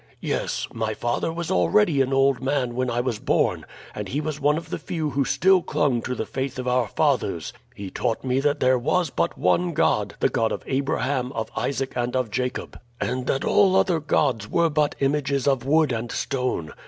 "Yes. My father was already an old man when I was born, and he was one of the few who still clung to the faith of our fathers. He taught me that there was but one God, the God of Abraham, of Isaac, and of Jacob, and that all other gods were but images of wood and stone.